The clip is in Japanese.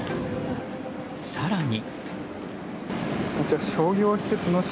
更に。